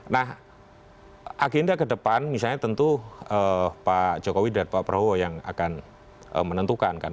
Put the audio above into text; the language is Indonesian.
nah agenda kedepan misalnya tentu pak jokowi dan pak perowo yang akan menentukan kan